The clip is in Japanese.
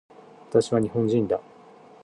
私は日本人だ